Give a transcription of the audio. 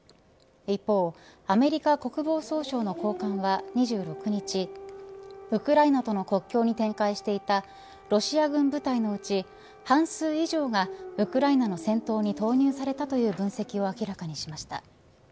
一方、アメリカ国防総省の高官は２６日ウクライナとの国境に展開していたロシア軍部隊のうち、半数以上がウクライナの戦闘に投入されたという分析を明らかにしました。